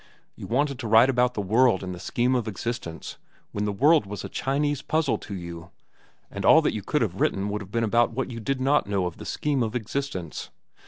You wanted to write about the world and the scheme of existence when the world was a Chinese puzzle to you and all that you could have written would have been about what you did not know of the scheme of existence.